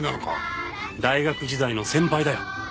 大学時代の先輩だよ。